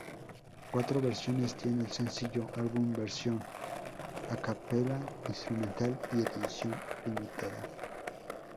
Cuatro versiones tiene el sencillo: álbum versión, acapella, instrumental y edición limitada.